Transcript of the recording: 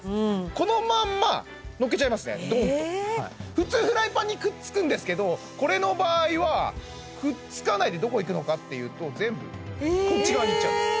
このまんま乗っけちゃいますねドンと普通フライパンにくっつくんですけどこれの場合はくっつかないでどこへいくのかっていうと全部こっち側にいっちゃうんですえ！